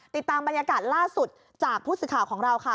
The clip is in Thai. ติดตามบรรยากาศล่าสุดจากผู้สื่อข่าวของเราค่ะ